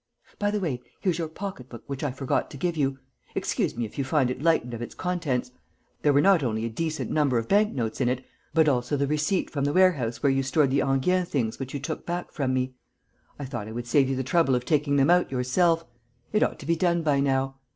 By the way, here's your pocketbook which I forgot to give you. Excuse me if you find it lightened of its contents. There were not only a decent number of bank notes in it, but also the receipt from the warehouse where you stored the Enghien things which you took back from me. I thought I might as well save you the trouble of taking them out yourself. It ought to be done by now.